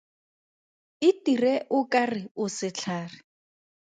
Itire o ka re o setlhare.